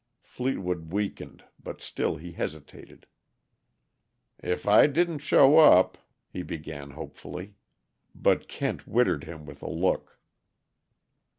Fleetwood weakened, but still he hesitated. "If I didn't show up " he began hopefully. But Kent wittered him with a look.